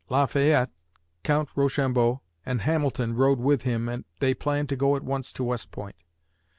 Lafayette, Count Rochambeau and Hamilton rode with him and they planned to go at once to West Point.